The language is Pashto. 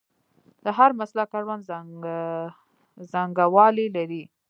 د هر مسلک اړوند څانګوال یې لري.